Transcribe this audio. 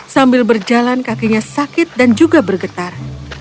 sambil berjalan kakinya sakit dan juga bergetar